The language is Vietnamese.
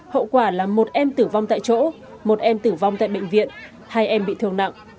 hậu quả là một em tử vong tại chỗ một em tử vong tại bệnh viện hai em bị thương nặng